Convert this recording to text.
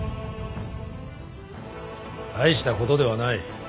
大したことではない。